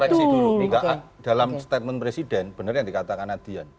maksudnya dalam statement presiden bener yang dikatakan nadian